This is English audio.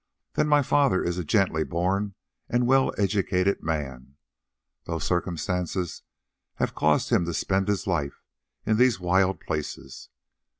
Then my father is a gently born and well educated man, though circumstances have caused him to spend his life in these wild places.